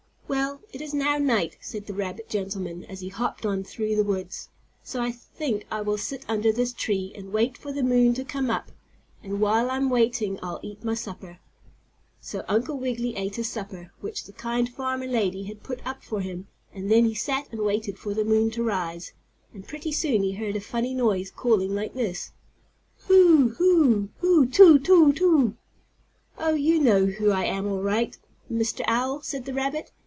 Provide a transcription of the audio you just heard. "Well, it is now night," said the rabbit gentleman as he hopped on through the woods, "so I think I will sit under this tree and wait for the moon to come up. And while I'm waiting I'll eat my supper." So Uncle Wiggily ate his supper, which the kind farmer lady had put up for him, and then he sat and waited for the moon to rise, and pretty soon he heard a funny noise, calling like this: "Who? Who? Who tu tu tu." "Oh, you know who I am all right, Mr. Owl," said the rabbit.